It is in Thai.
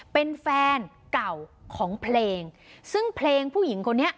เป็นแฟนเก่าของเพลงซึ่งเพลงผู้หญิงคนนี้